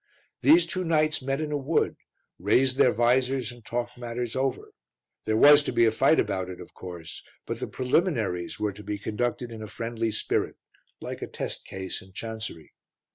These two knights met in a wood, raised their vizors and talked matters over; there was to be a fight about it, of course, but the preliminaries were to be conducted in a friendly spirit like a test case in Chancery.